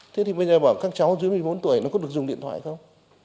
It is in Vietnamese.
thế thì bây giờ bảo các cháu dưới một mươi bốn tuổi nó có được dùng điện thoại không